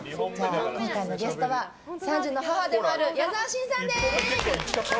今回のゲストは３児の母でもある矢沢心さんです。